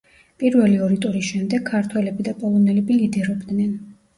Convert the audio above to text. პირველი ორი ტურის შემდეგ ქართველები და პოლონელები ლიდერობდნენ.